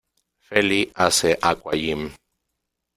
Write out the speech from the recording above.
Feli hace aquagym.